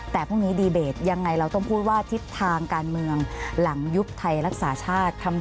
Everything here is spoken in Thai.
แต่พรุ่งนี้ดีเบตยังไงเราต้องพูดว่าทิศทางการเมืองหลังยุบไทยรักษาชาติ